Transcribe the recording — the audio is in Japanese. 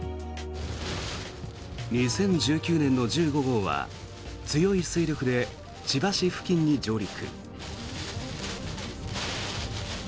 ２０１９年の１５号は強い勢力で千葉市付近に上陸。